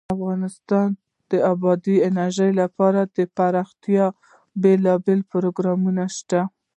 افغانستان کې د بادي انرژي لپاره دپرمختیا بېلابېل پروګرامونه شته.